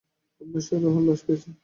আমরা সারাহর লাশ পেয়েছি।